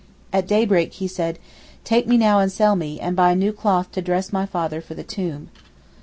At daybreak he said, 'Take me now and sell me, and buy new cloth to dress my father for the tomb.